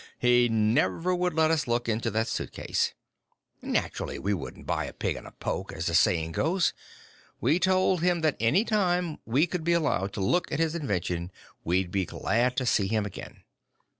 "He never would let us look into that suitcase. Naturally, we wouldn't buy a pig in a poke, as the saying goes. We told him that any time we could be allowed to look at his invention, we'd be glad to see him again.